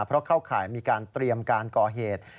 เพราะเข้าข่ายมีการเตรียมการก่อเหตุ